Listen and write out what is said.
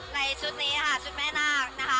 ในชุดนี้ค่ะชุดแม่น่าก